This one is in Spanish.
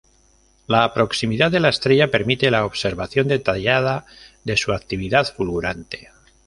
La proximidad de la estrella permite la observación detallada de su actividad fulgurante.